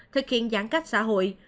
thực hiện giãn cách xã hội